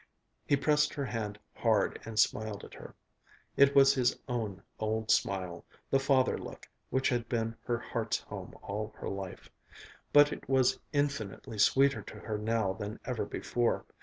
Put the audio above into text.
He pressed her hand hard and smiled at her. It was his own old smile, the father look which had been her heart's home all her life but it was infinitely sweeter to her now than ever before.